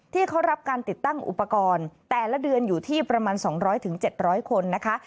ที่เขารับการติดตั้งอุปกรณ์แต่ละเดือนอยู่ที่ประมาณ๒๐๐๗๐๐คนนะคะ